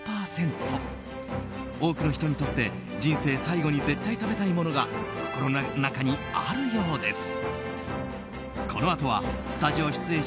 多くの人にとって人生最後に絶対食べたいものが心の中にあるようです。